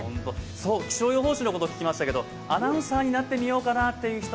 気象予報士のこと聞きましたけど、アナウンサーになってみようかなと思う人？